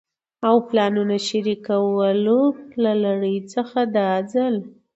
او پلانونو د شريکولو له لړۍ څخه دا ځل